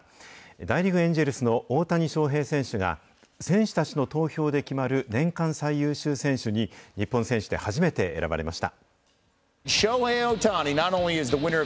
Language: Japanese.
大リーグ・エンジェルスの大谷翔平選手が選手たちの投票で決まる年間最優秀選手に、日本選手で初めて選ばれました。